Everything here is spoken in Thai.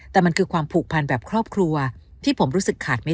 แต่มันคือความผูกพันแบบครอบครัวที่ผมรู้สึกขาดไม่